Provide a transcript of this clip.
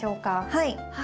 はい。